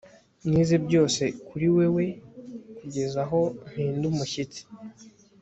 nize byose kuri wewe kugeza aho mpinda umushyitsi